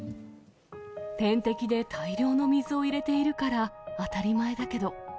点滴で大量の水を入れているから、当たり前だけど。